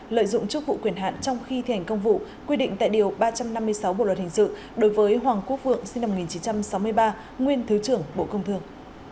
lợi dụng chức vụ quyền hạn trong khi thi hành công vụ quy định tại điều ba trăm năm mươi sáu bộ luật hình sự đối với hoàng quốc vượng sinh năm một nghìn chín trăm sáu mươi ba nguyên thứ trưởng bộ công thương